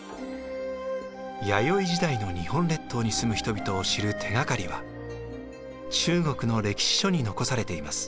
弥生時代の日本列島に住む人々を知る手がかりは中国の歴史書に残されています。